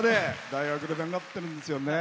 大学で頑張ってるんですよね。